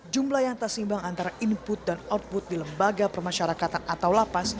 jumlah yang tersimbang antara input dan output di lembaga pemasyarakatan atau lapas